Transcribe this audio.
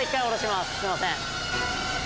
すみません。